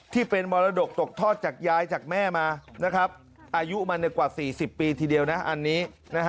ที่เป็นมรดกตกทอดจากยายจากแม่มานะครับอายุมันกว่า๔๐ปีทีเดียวนะอันนี้